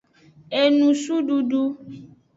Enusududu.